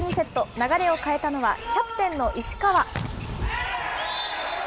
流れを変えたのは、キャプテンの石川。